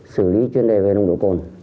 xử lý chuyên đề về nông độ cồn